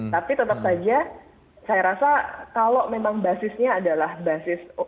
tapi tetap saja saya rasa kalau memang basisnya adalah basis